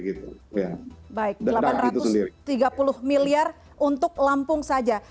baik delapan ratus tiga puluh miliar untuk lampung saja